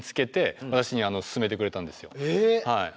はい。